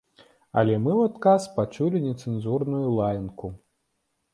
Але мы ў адказ пачулі нецэнзурную лаянку.